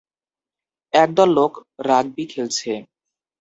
একদল লোক রাগবি খেলছে।